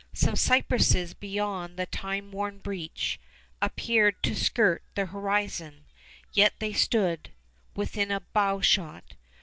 Some cypresses beyond the time worn breach Appeared to skirt the horizon, yet they stood Within a bowshot.